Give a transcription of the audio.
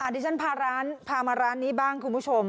ดิฉันพาร้านพามาร้านนี้บ้างคุณผู้ชม